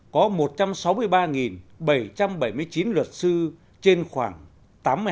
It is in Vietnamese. có một trăm sáu mươi ba bảy trăm bảy mươi chín luật sư trên khoảng tám mươi hai triệu dân